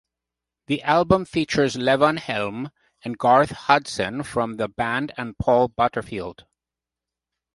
The album features Levon Helm and Garth Hudson from The Band and Paul Butterfield.